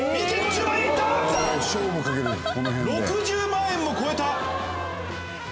６０万円も超えた！